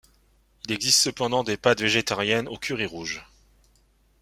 Il existe cependant des pâtes végétariennes au curry rouge.